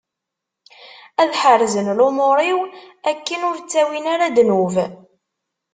Ad ḥerzen lumuṛ-iw, akken ur ttawin ara ddnub.